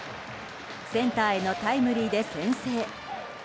センターへのタイムリーで先制。